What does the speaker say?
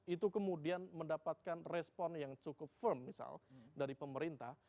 itu kemudian mendapatkan respon yang cukup firm misal dari pemerintah